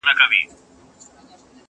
له ګرېوانه یې شلېدلي دُردانې وې؛